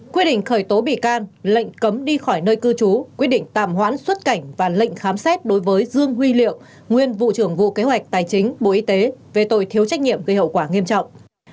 quyết định khởi tố bị can lệnh cấm đi khỏi nơi cư trú quyết định tạm hoãn xuất cảnh và lệnh khám xét đối với dương huy liệu nguyên vụ trưởng vụ kế hoạch tài chính bộ y tế về tội thiếu trách nhiệm gây hậu quả nghiêm trọng